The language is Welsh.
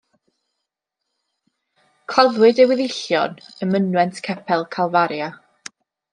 Claddwyd ei weddillion ym mynwent capel Calfaria.